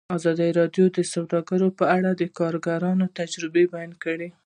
ازادي راډیو د سوداګري په اړه د کارګرانو تجربې بیان کړي.